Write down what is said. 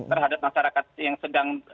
terhadap masyarakat yang sedang